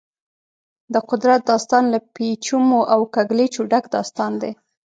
د قدرت داستان له پېچومو او کږلېچونو ډک داستان دی.